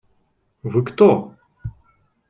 – Вы кто?